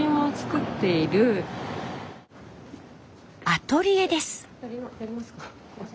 アトリエです。